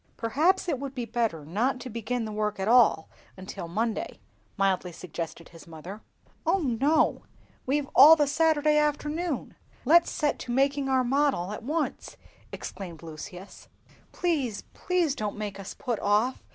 "Perhaps it would be better not to begin the work at all until Monday," mildly suggested his mother. "O no, we've all the Saturday afternoon, let's set to making our model at once!" exclaimed Lucius. "Please, please, don't make us put off!"